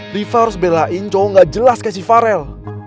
rifa harus belain cowok gak jelas kayak si farel